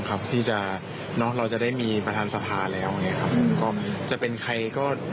ครับที่จะน้องเราจะได้มีประธานสถาแล้วนี่ครับก็จะเป็นใครก็